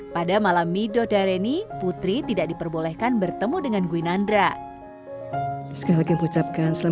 pada malam midodareni putri tanjung dan anak anaknya berjalan ke tempat yang lain